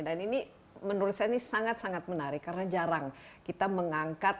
dan ini menurut saya ini sangat sangat menarik karena jarang kita mengangkat